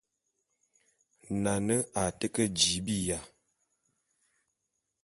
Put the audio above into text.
Nane a te ke jii biya.